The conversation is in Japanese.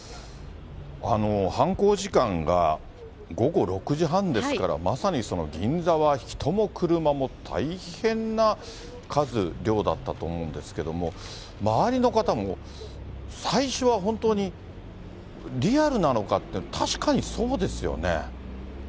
犯行時間が午後６時半ですから、まさに銀座は人も車も大変な数、量だったと思うんですけども、周りの方も、最初は本当にリアルなのかって、確かにそうですよね。